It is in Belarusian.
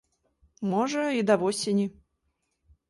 Можа, і да восені.